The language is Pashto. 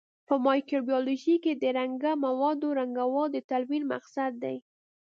په مایکروبیولوژي کې د رنګه موادو رنګول د تلوین مقصد دی.